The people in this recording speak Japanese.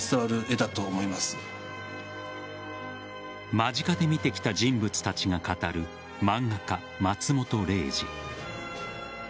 間近で見てきた人物たちが語る漫画家・松本零士。